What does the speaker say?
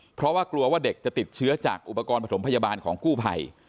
เพราะว่ากลัวว่าเด็กจะติดเชื้อจากอุปกรณ์ประถมพยาบาลของกู้ภัย